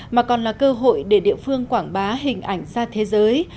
mà còn là cơ hội để địa phương quảng bá hình ảnh ra thế giới